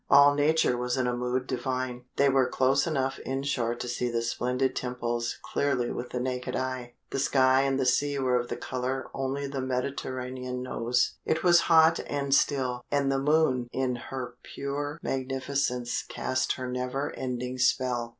All nature was in a mood divine. They were close enough inshore to see the splendid temples clearly with the naked eye. The sky and the sea were of the colour only the Mediterranean knows. It was hot and still, and the moon in her pure magnificence cast her never ending spell.